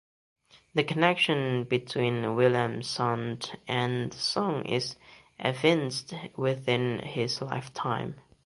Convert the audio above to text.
The connection between Williamson and the song is evinced within his lifetime.